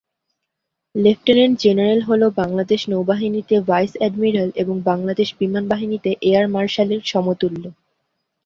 Lieutenant general হল বাংলাদেশ নৌবাহিনীতে vice admiral এবং বাংলাদেশ বিমান বাহিনীতে এয়ার মার্শালের সমতুল্য।